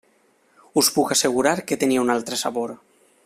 Us puc assegurar que tenia un altre sabor.